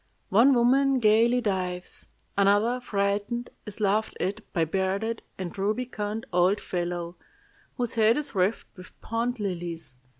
One woman gayly dives. Another, frightened, is laughed at by a bearded and rubicund old fellow, whose head is wreathed with pond lilies.